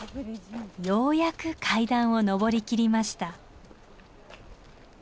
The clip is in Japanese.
ようやく階段を上りきりました。